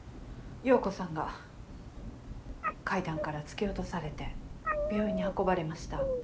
葉子さんが階段から突き落とされて病院に運ばれました。